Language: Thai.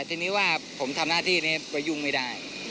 ทีนี้ว่าผมทำหน้าที่นี้ไปยุ่งไม่ได้